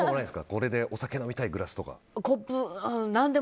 これでお酒飲みたいグラスとか。